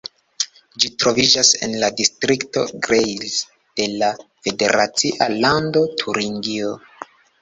Ĝi troviĝas en la distrikto Greiz de la federacia lando Turingio.